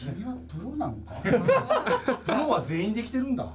プロは全員できてるんだ。